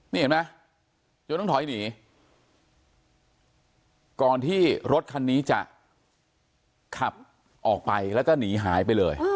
นี่เห็นไหมจนต้องถอยหนีก่อนที่รถคันนี้จะขับออกไปแล้วก็หนีหายไปเลย